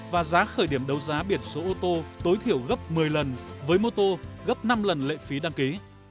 và giá khởi điểm đấu giá biển số ô tô tối thiểu gấp một mươi lần với mô tô gấp năm lần lệ phí đăng ký